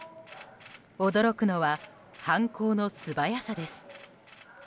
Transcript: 驚くのは犯行の素早さです。